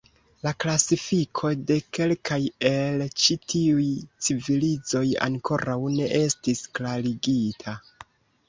La klasifiko de kelkaj el ĉi tiuj civilizoj ankoraŭ ne estis klarigita.